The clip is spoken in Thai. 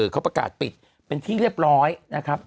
เขาประกาศปิดเป็นที่เรียบร้อยนะครับ